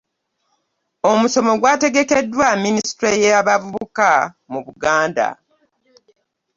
Omusomo gwategekeddwa minisitule y'abavubuka mu Buganda